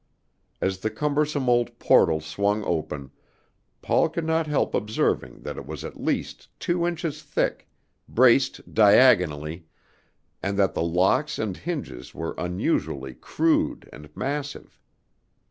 As the cumbersome old portal swung open, Paul could not help observing that it was at least two inches thick, braced diagonally, and that the locks and hinges were unusually crude and massive.